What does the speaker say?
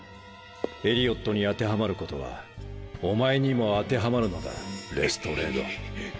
エリオットに当てはまることはお前にも当てはまるのだレストレード。